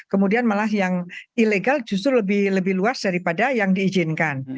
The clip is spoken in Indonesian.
kemudian malah yang ilegal justru lebih luas daripada yang diizinkan